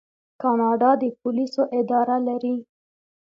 کاناډا د پولیسو اداره لري.